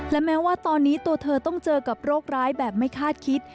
และแม้ว่าตอนนี้ตัวเธอต้องเจอกับโรคร้ายแบบไม่คาดคิด